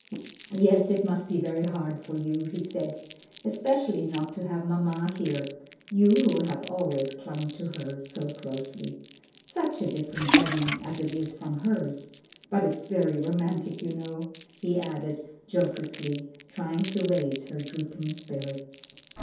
"Yes, it must be very hard for you," he said; "especially not to have mamma here, you who have always clung to her so closely. Such a different wedding as it is from hers! But it's very romantic you know," he added jocosely, trying to raise her drooping spirits.